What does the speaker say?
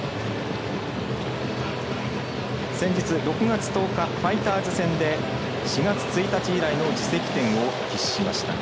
先日、６月１０日ファイターズ戦で４月１日以来の自責点を喫しました。